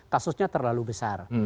kasusnya terlalu besar